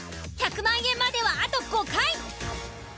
１００万円まではあと５回。